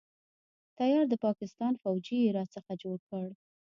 تيار د پاکستان فوجي يې را څخه جوړ کړ.